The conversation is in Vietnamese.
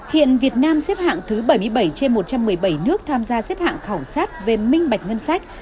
hiện việt nam xếp hạng thứ bảy mươi bảy trên một trăm một mươi bảy nước tham gia xếp hạng khảo sát về minh bạch ngân sách